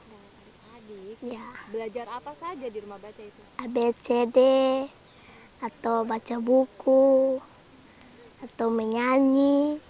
abcd atau baca buku atau menyanyi